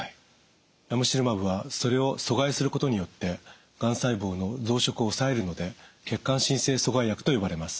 ラムシルマブはそれを阻害することによってがん細胞の増殖を抑えるので血管新生阻害薬と呼ばれます。